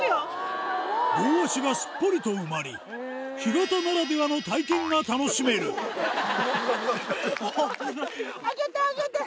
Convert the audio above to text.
両足がすっぽりと埋まり干潟ならではの体験が楽しめる危ない上げて上げて！